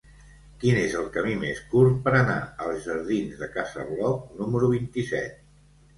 Quin és el camí més curt per anar als jardins de Casa Bloc número vint-i-set?